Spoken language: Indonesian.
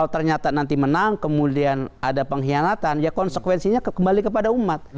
ternyata nanti menang kemudian ada pengkhianatan ya konsekuensinya kembali kepada umat